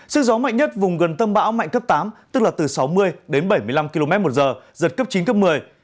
sức gió mạnh nhất vùng gần tâm bão mạnh cấp tám tức là từ sáu mươi đến bảy mươi năm km một giờ giật cấp chín cấp một mươi